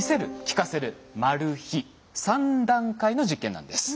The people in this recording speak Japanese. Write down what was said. ３段階の実験なんです。